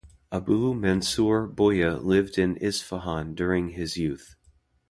Abu Mansur Buya lived in Isfahan during his youth.